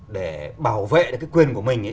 để bảo vệ quyền của mình